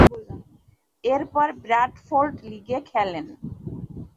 এরপর ব্রাডফোর্ড লীগে খেলেন।